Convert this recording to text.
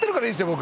僕。